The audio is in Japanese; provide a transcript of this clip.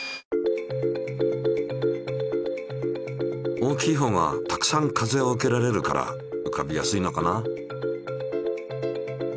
大きいほうがたくさん風を受けられるから浮かびやすいのかな。